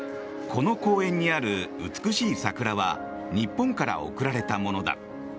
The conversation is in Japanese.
この公園にある美しい桜は日本から贈られたものだ。